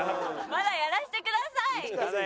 「まだやらせてください」。